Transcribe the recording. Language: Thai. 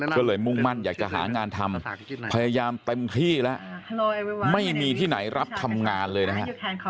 ก็เลยมุ่งมั่นอยากจะหางานทำพยายามเต็มที่แล้วไม่มีที่ไหนรับทำงานเลยนะฮะ